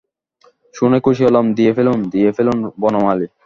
শুনে খুশি হলেম– দিয়ে ফেলুন, দিয়ে ফেলুন– বনমালী।